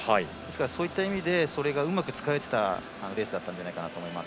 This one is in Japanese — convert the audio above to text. そういった意味で、それがうまく使えていたレースだったんじゃないかと思います。